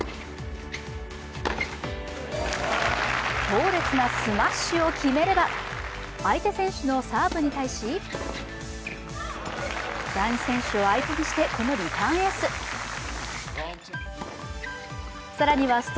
強烈なスマッシュを決めれば相手選手のサーブに対し男子選手を相手にしてこのリターンエース。